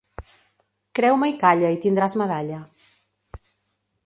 Creu-me i calla i tindràs medalla.